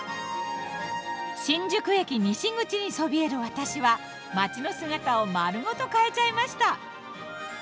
新宿駅西口にそびえる私は街の姿を丸ごと変えちゃいました。